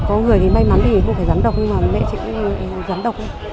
có người thì may mắn thì không phải rắn độc nhưng mà mẹ chị cũng như rắn độc ấy